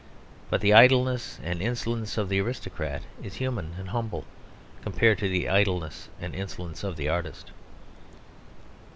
But the idleness and insolence of the aristocrat is human and humble compared to the idleness and insolence of the artist.